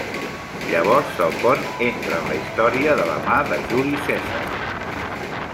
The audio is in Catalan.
Llavors el pont entra en la història de la mà de Juli Cèsar.